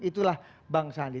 itulah bang sandi